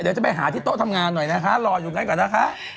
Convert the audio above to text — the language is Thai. เดี๋ยวจะไปหาที่โต๊ะทำงานหน่อยนะคะรออยู่งั้นก่อนนะคะ